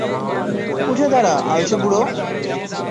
উঠে দাঁড়া, আলসে বুড়ো!